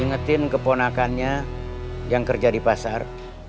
ingetin keponakannya yang kerja di pasar